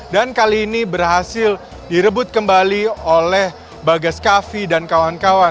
kali ini berhasil direbut kembali oleh bagas kavi dan kawan kawan